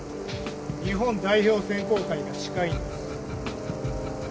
日本代表選考会が近いんです。